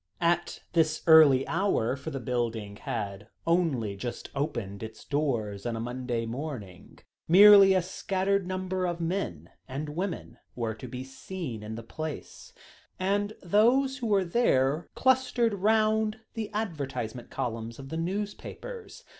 At this early hour, for the building had only just opened its doors on a Monday morning, merely a scattered number of men and women were to be seen in the place, and those who were there clustered round the advertisement columns of the newspapers.